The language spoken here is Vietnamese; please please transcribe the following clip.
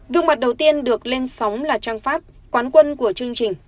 gương mặt đầu tiên được lên sóng là trang pháp quán quân của chương trình